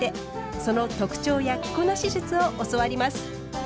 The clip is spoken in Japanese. その特徴や着こなし術を教わります。